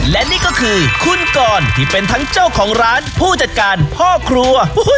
และนี่ก็คือคุณกรที่เป็นทั้งเจ้าของร้านผู้จัดการพ่อครัว